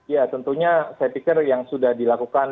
ya tentunya saya pikir yang sudah dilakukan